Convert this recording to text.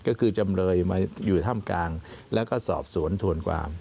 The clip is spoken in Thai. ก็คือจำเลยมาอยู่ถ้ำกลางแล้วก็สอบสวนทวนความ